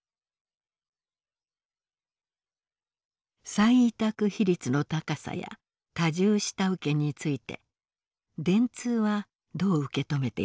再委託比率の高さや多重下請けについて電通はどう受け止めているのか。